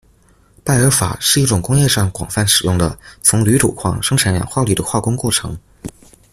拜耳法是一种工业上广泛使用的从铝土矿生产氧化铝的化工过程。